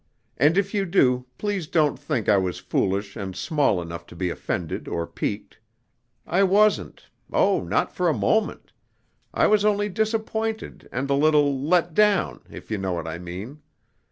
And if you do, please don't think I was foolish and small enough to be offended or piqued. I wasn't oh, not for a moment. I was only disappointed and a little let down, if you know what I mean.